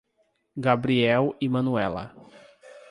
Gabriel e Manuela